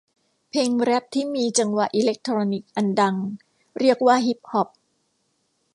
เพลงแร็พที่มีจังหวะอิเล็กทรอนิกส์อันดังเรียกว่าฮิปฮอป